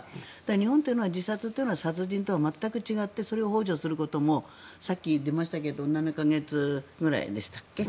日本というのは自殺というのは殺人とは全く違ってそれをほう助することもさっき言ってましたが７か月ぐらいでしたっけ。